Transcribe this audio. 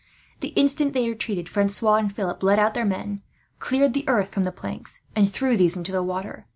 The instant they retreated, Francois and Philip led out their men, cleared the earth from the planks, and threw these into the water.